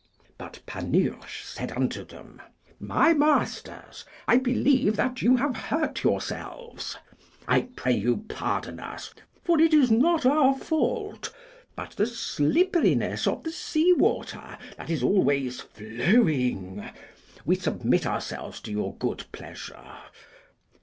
But Panurge said unto them, My masters, I believe that you have hurt yourselves; I pray you pardon us, for it is not our fault, but the slipperiness of the sea water that is always flowing; we submit ourselves to your good pleasure.